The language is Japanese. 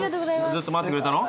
ずっと待ってくれたの？